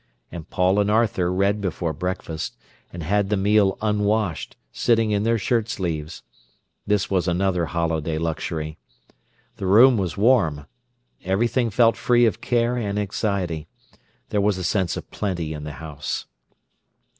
And Paul and Arthur read before breakfast, and had the meal unwashed, sitting in their shirt sleeves. This was another holiday luxury. The room was warm. Everything felt free of care and anxiety. There was a sense of plenty in the house.